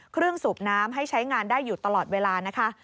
สูบน้ำให้ใช้งานได้อยู่ตลอดเวลานะคะ